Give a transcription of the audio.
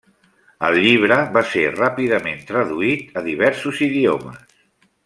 El llibre va ser ràpidament traduït a diversos idiomes.